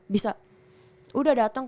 bisa udah dateng